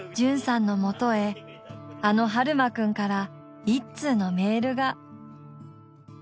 絢さんのもとへあの悠真くんから一通のメールが。